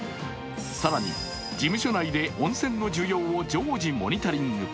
更に事務所内で温泉の需要を常時モニタリング。